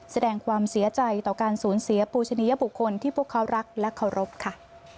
แสดงความเสียใจต่อการสูญเสียปูชนิยบุคคลที่พวกเขารักและเคารพค่ะ